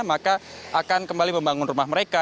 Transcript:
maka akan kembali membangun rumah mereka